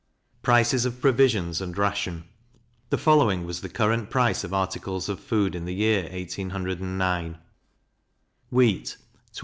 Prices of Provisions, and Ration. The following was the current price of Articles of Food, in the year 1809: Wheat 12s.